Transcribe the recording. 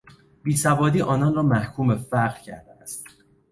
بیسوادی آنان را محکوم به فقر کرده است.